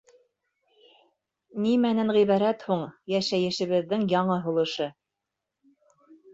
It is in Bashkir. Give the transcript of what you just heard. Нимәнән ғибәрәт һуң йәшәйешебеҙҙең яңы һулышы?